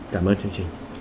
cảm ơn chương trình